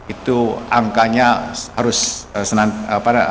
itu angkanya harus senang